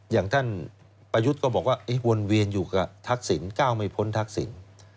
อย่างท่านประยุทธ์ก็บอกว่าวนเวียนอยู่กับทักษิณก้าวไม่พ้นทักษิณ